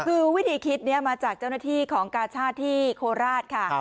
คือวิธีคิดนี้มาจากเจ้าหน้าที่ของกาชาติที่โคราชค่ะ